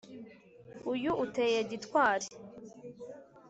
uyu uteye gitwari